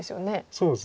そうですね。